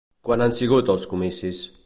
Quan han sigut els comicis?